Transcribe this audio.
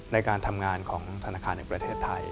ในการทำงานของธนาคารแห่งประเทศไทย